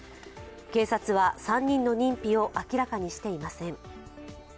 警察は３人の認否を明らかにしていません。